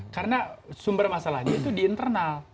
karena sumber masalahnya itu di internal